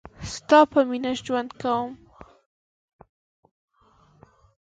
ستا په میینه ژوند کوم